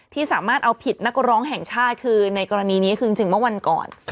ที่สามารถเอาผิดนักร้องแห่งชาติคือในกรณีนี้คือจริงเมื่อวันก่อน